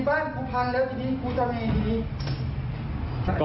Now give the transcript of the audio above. บ้านกูพันแล้วดีกูจะมีดี